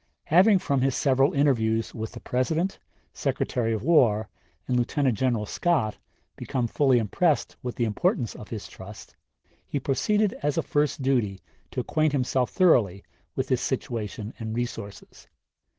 Having from his several interviews with the President, Secretary of War, and Lieutenant General Scott become fully impressed with the importance of his trust, he proceeded as a first duty to acquaint himself thoroughly with his situation and resources.